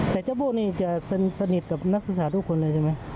แต่เจ้าโบ้นี่จะสนิทกับนักศึกษาทุกคนเลยใช่ไหม